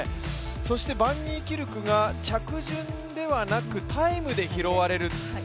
そしてバンニーキルクが着順ではなくてタイムで拾われる。